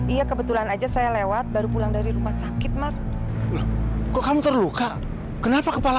iya kebetulan aja saya lewat baru pulang dari rumah sakit mas kok kamu terluka kenapa kepala